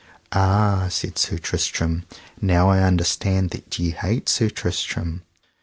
Ah, said Sir Tristram, now I understand that ye hate Sir Tristram.